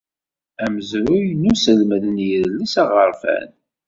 Amezruy n uselmed n yidles aɣerfan.